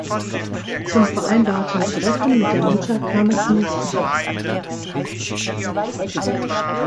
Zum vereinbarten Treffen mit der Mutter kam es nicht.